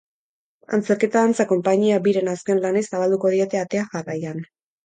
Antzerki eta dantza konpainia biren azken lanei zabalduko diete atea jarraian.